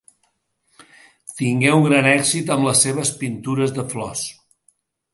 Tingué un gran èxit amb les seves pintures de flors.